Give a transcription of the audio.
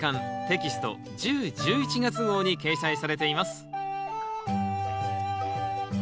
テキスト１０・１１月号に掲載されています